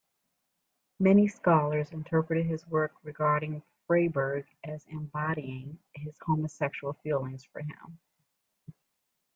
Many scholars interpreted his work regarding Freyburg as embodying his homosexual feelings for him.